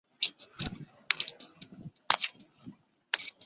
单穗桤叶树为桤叶树科桤叶树属下的一个种。